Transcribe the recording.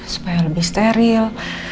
supaya lebih steril